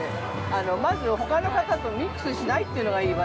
◆まず、ほかの方とミックスしないってのがいいわ。